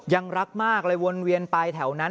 รักมากเลยวนเวียนไปแถวนั้น